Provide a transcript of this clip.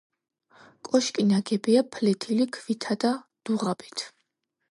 კოშკი ნაგებია ფლეთილი ქვითა და დუღაბით.